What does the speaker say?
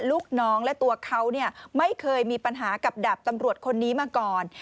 ลูกน้องและตัวเขาไม่เคยมีปัญหากับดาบตำรวจคนนี้มาก่อน